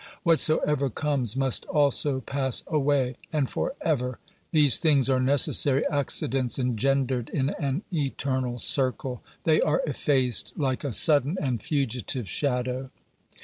Whatsoever comes must also pass away, and for ever. These things are necessary accidents engendered in an eternal circle; they are effaced like a sudden and fugitive shadow.